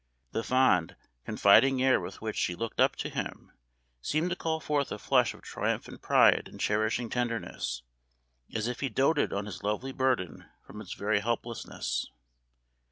The fond, confiding air with which she looked up to him seemed to call forth a flush of triumphant pride and cherishing tenderness, as if he doated on his lovely burden from its very helplessness.